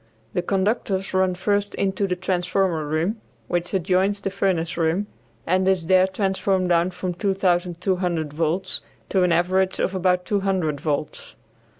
The conductors run first into the transformer room, which adjoins the furnace room, and is there transformed down from 2200 volts to an average of about 200 volts.